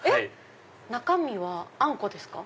中身はあんこですか？